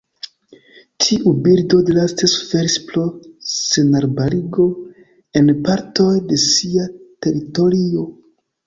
Tiu birdo draste suferis pro senarbarigo en partoj de sia teritorio.